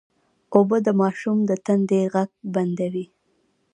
اوبه د ماشوم د تندې غږ بندوي